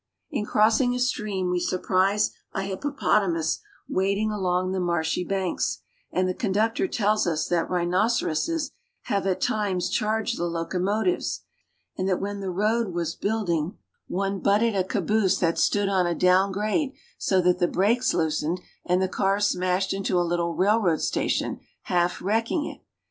In crossing a stream we surprise a hippo _ potamus wading along the marshy banks, and the con I ductor tells us that rhinoceroses have at times charged the (^locomotives, and that when the road was building one I 136 AFRICA butted a caboose that stood on a down grade so that the brakes loosened atid the cars smashed into a little rail road station, half wrecking it.